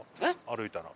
歩いたら。